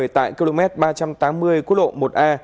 tại km ba trăm tám mươi quốc lộ một a